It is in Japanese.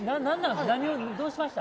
どうしました？